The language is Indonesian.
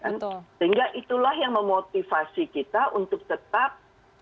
sehingga itulah yang memotivasi kita untuk tetap